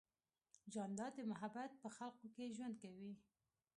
جانداد د محبت په خلقو کې ژوند کوي.